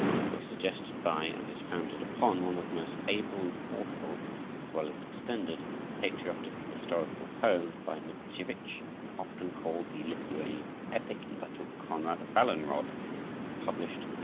It was suggested by and is founded upon one of the most able and forceful, as well as extended, patriotic historical poems by Mickiewicz, often called the Lithuanian Epic, entitled "Konrad Wallenrod," and published in 1828.